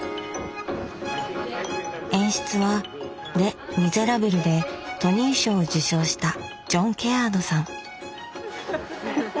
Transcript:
演出は「レ・ミゼラブル」でトニー賞を受賞したジョン・ケアードさん。